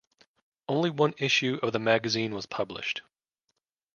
Only one issue of the magazine was published.